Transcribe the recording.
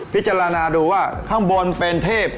พิจารณาดูว่าข้างบนเป็นเทพ